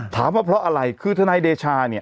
ถามว่าเพราะอะไรคือธนายเดชา